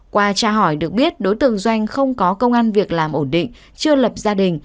qua tra hỏi được biết đối tượng doanh không có công an việc làm ổn định chưa lập gia đình